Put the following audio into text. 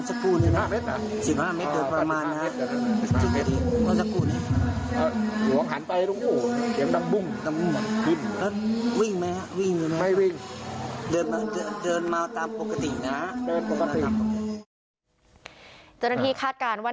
เจอหน้าที่คาดการณ์ว่า